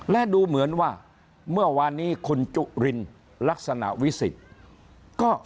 และดูเหมือนว่าเมื่อวานนี้คุณจุรินลักษณะวิสิทธิ์